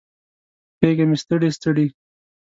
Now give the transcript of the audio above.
غیږه مې ستړي، ستړي